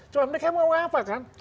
cuma mereka mau apa kan